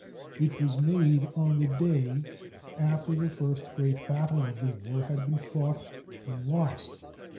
It was made on the day after the first great battle of the war had been fought and lost.